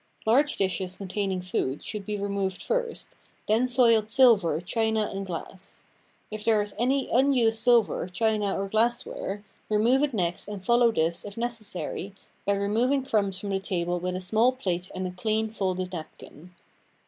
Large dishes containing food should be re moved first, then soiled silver, china, and glass. If there is any unused sil ver, china, or glassware, remove it next and follow this, if necessary, by remov ing crumbs from the table with a small plate and a clean, folded napkin.